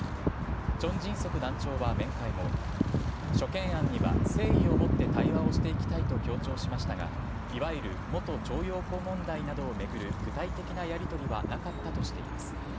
チョン・ジンソク団長は面会後、諸懸案には誠意を持って対話をしていきたいと強調しましたが、いわゆる元徴用工問題などを巡る具体的なやり取りはなかったとしています。